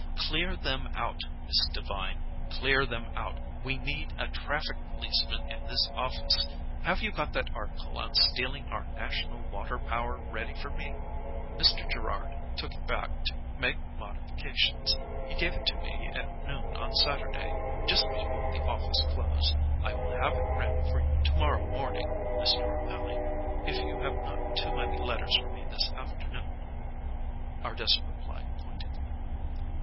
Clear them out, Miss Devine! Clear them out! We need a traffic policeman in this office. Have you got that article on 'Stealing Our National Water Power' ready for me?" "Mr. Gerrard took it back to make modifications. He gave it to me at noon on Saturday, just before the office closed. I will have it ready for you to morrow morning, Mr. O'Mally, if you have not too many letters for me this afternoon," Ardessa replied pointedly.